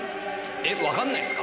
分かんないんすか？